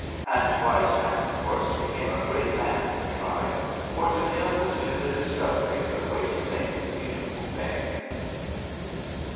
And Wise Man, of course, became a great man in the tribe, for to him was due the discovery of the way to make beautiful things."